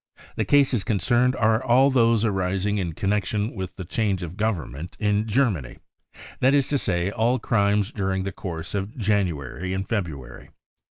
The cases concerned are all those arising in connection with the change of govern ment in Germany, that is to say, all crimes during the course of January and February.